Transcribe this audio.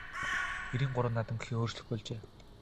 Эрийн гурван наадам гэхээ өөрчлөх болжээ.